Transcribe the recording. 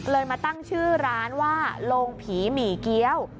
มาตั้งชื่อร้านว่าโรงผีหมี่เกี้ยว